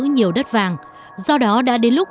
nhiều đất vàng do đó đã đến lúc